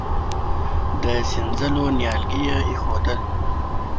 د سينځلو نيالګي يې اېښودل.